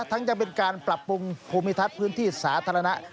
ยังเป็นการปรับปรุงภูมิทัศน์พื้นที่สาธารณะ